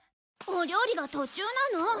お料理が途中なの。